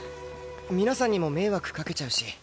皆さんにも迷惑かけちゃうし。